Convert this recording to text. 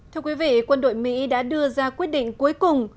thưa quý vị quân đội mỹ đã đưa ra quyết định cuối cùng